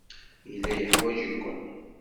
Yella yeḥwaj-iken.